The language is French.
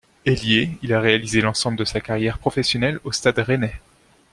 Ailier, il a réalisé l'ensemble de sa carrière professionnelle au Stade rennais.